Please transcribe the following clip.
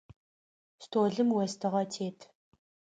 Столым остыгъэ тет.